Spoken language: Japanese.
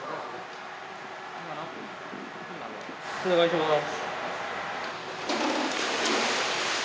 お願いします。